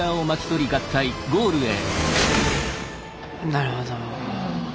なるほど。